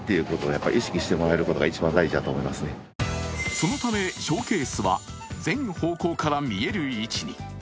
そのため、ショーケースは全方向から見える位置に。